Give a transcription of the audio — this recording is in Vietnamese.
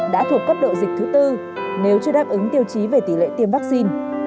đã thuộc cấp độ dịch thứ tư nếu chưa đáp ứng tiêu chí về tỷ lệ tiêm vaccine